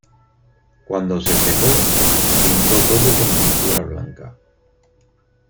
Cuando se secó pinto todo con pintura blanca.